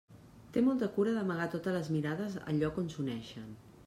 Té molta cura d'amagar a totes les mirades el lloc on s'uneixen.